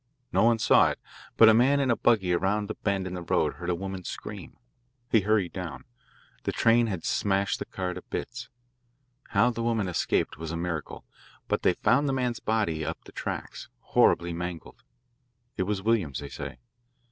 No one saw it, but a man in a buggy around the bend in the road heard a woman scream. He hurried down. The train had smashed the car to bits. How the woman escaped was a miracle, but they found the man's body up the tracks, horribly mangled. It was Williams, they say.